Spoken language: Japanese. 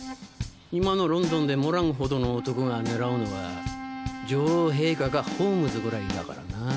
今のロンドンでモランほどの男が狙うのは女王陛下かホームズぐらいだからな。